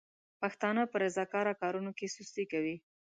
پښتانه په رضاکاره کارونو کې سستي کوي.